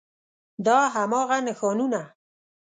دا هماغه نښانونه